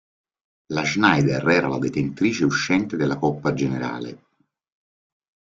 La Schneider era la detentrice uscente della Coppa generale.